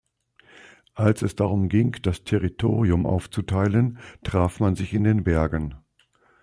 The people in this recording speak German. Als es darum ging, das Territorium aufzuteilen, traf man sich in den Bergen.